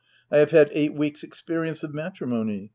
1 have had eight weeks experience of matrimony.